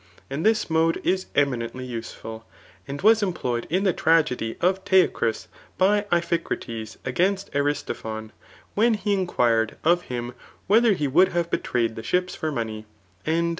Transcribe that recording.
And this mode is emineady useful, and was employed in [the tragedy of ] Teucrus by Iphicrates against Aristophon, when he inquired of him whether he woujki have betrayed the ships for. money